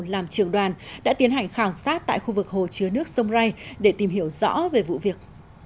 làm trường đoàn đã tiến hành khảo sát tại khu vực hồ chứa nước sông rai để tìm hiểu rõ về vụ việc